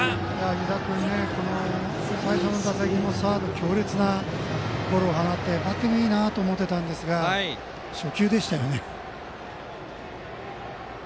湯田君ね、最初の打席もサードに強烈なゴロを放ってバッティングいいなと思っていたんですが初球でしたよね。